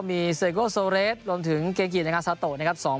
มีเซโกโซเรสรวมถึงเกกิในาซาโตะนะครับ